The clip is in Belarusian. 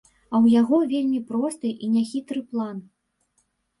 А ў яго вельмі просты і няхітры план.